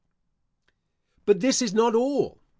But this is not all.